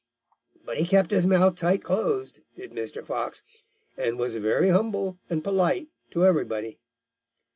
But he kept his mouth tight closed, did Mr. Fox, and was very humble and polite to everybody.